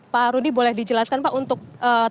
pak rudi boleh dijelaskan pak untuk tni